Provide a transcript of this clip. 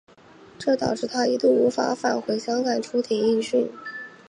这导致他一度无法返回香港出庭应讯。